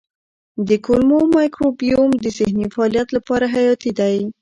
د کولمو مایکروبیوم د ذهني فعالیت لپاره حیاتي دی.